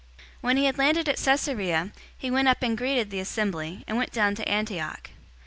018:022 When he had landed at Caesarea, he went up and greeted the assembly, and went down to Antioch.